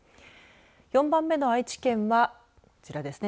４番目の愛知県はこちらですね。